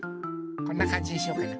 こんなかんじにしようかな？